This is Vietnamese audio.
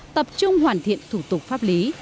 tập trung hoàn thiện thủ tục pháp lý